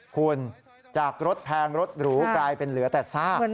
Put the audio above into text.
คุณจากรถแพงรถหรูกลายเป็นเหลือแต่ซาก